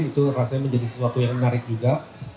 itu rasanya menjadi sesuatu yang menarik juga